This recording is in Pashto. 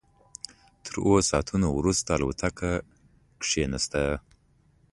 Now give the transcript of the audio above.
تر اوو ساعتونو وروسته الوتکه کېناسته.